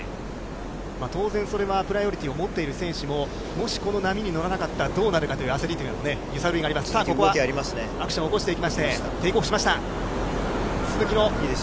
当然それはプライオリティーを持っている選手も、もしこの波に乗らなかったらどうなるかという焦りも揺さぶりがあります。